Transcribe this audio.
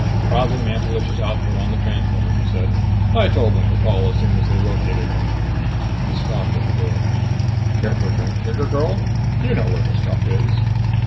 "Probably Mantelish's outfit on the transmitter," he said. "I told them to call as soon as they located him." He stopped at the door. "Care for a drink, Trigger girl? You know where the stuff is."